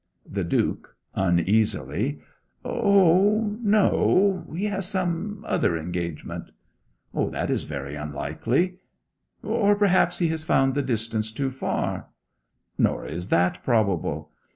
The Duke, uneasily, 'O, no. He has some other engagement.' 'That is very unlikely.' 'Or perhaps he has found the distance too far.' 'Nor is that probable.'